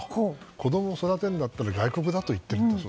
子供を育てるなら外国だと言っている。